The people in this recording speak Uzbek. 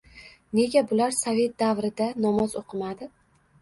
Nega bular sovet davrida namoz o‘qimadi?